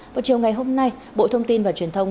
vào chiều ngày hôm nay bộ thông tin và truyền thông